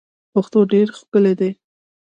پښتو ډیر ښکلی دی.